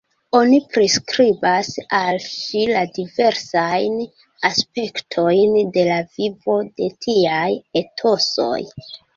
Oni priskribas al ŝi la diversajn aspektojn de la vivo de tiaj etosoj.